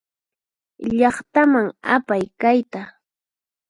Llaqtaman apay kayta.